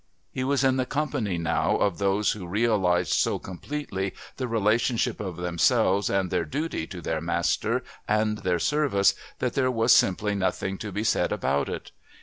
He was in the company now of those who realised so completely the relationship of themselves and their duty to their master and their service that there was simply nothing to be said about it.